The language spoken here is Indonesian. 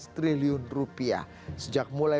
triliun rupiah sejak mulai